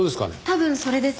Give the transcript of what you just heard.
多分それです。